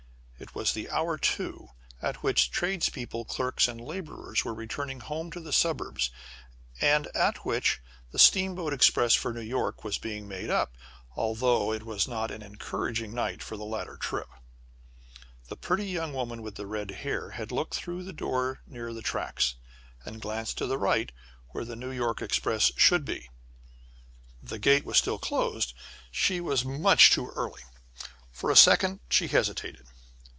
It was the hour, too, at which tradespeople, clerks, and laborers were returning home to the suburbs, and at which the steamboat express for New York was being made up although it was not an encouraging night for the latter trip. The pretty young woman with the red hair had looked through the door near the tracks, and glanced to the right, where the New York express should be. The gate was still closed. She was much too early! For a second she hesitated.